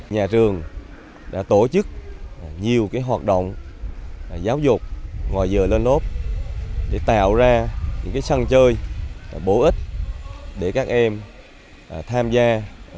nhà trường đã tổ chức nhiều hoạt động giáo dục ngoài giờ lên ốp để tạo ra những sân chơi bổ ích để các em tham gia vui chơi học tập